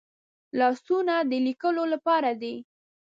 لاسونه د لیکلو لپاره دي